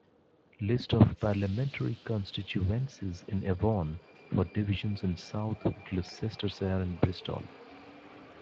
List of Parliamentary constituencies in Avon for divisions in South Gloucestershire and Bristol.